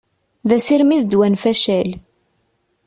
D asirem i ddwa n facal.